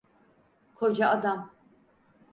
Koca adam.